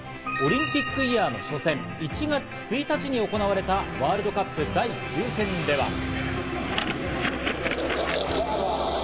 オリンピックイヤーの初戦、１月１日に行われたワールドカップ第９戦では。